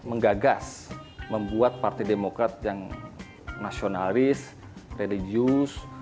menggagas membuat partai demokrat yang nasionalis religius